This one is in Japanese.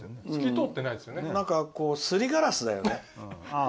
なんか、すりガラスだよね。